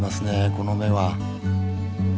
この目は。